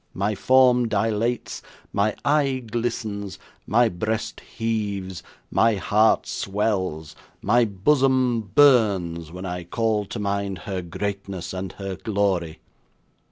My form dilates, my eye glistens, my breast heaves, my heart swells, my bosom burns, when I call to mind her greatness and her glory.